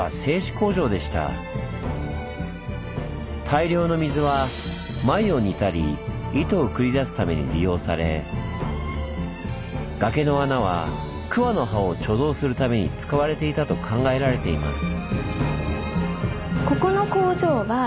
大量の水は繭を煮たり糸を繰り出すために利用され崖の穴は桑の葉を貯蔵するために使われていたと考えられています。